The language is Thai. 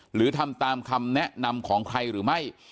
หรือทำตามคำแนะนำของใครหรือไม่